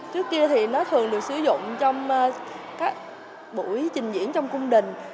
trước kia thì nó thường được sử dụng trong các buổi trình diễn trong cung đình